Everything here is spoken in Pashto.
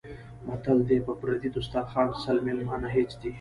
متل دی: په پردي دسترخوان سل مېلمانه هېڅ دي.